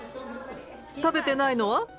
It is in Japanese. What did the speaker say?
食べてないのは？